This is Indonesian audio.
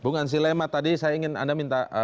bung ansi lema tadi saya ingin anda minta